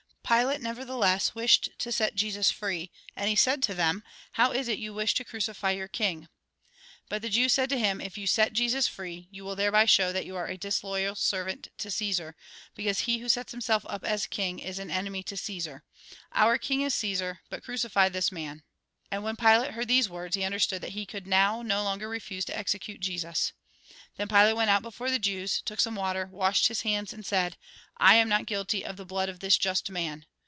Pilate, nevertheless, wished to set Jesus free, and he said to them :" How is it you wish to crucify your king ?" But the Jews said to him :" If you set Jesus free, you will thereby show that you are a disloyal servant to Ctesar, because he who sets himself up as king is an enemy to Caesar. Our king is Caesar ; but crucify this man." And when Pilate heard these words, he under stood that he could now no longer refuse to execute Jesus. Then Pilate went out before the Jews, took some water, washed his hands, and said :" I am not guilty of the blood of this just man."